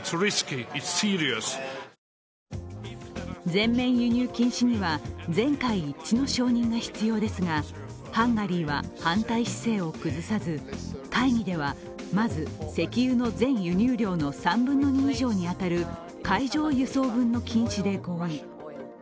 全面輸入禁止には全会一致の承認が必要ですがハンガリーは反対姿勢を崩さず、会議ではまず石油の全輸入量の３分の２以上に当たる海上輸送分の禁止で合意。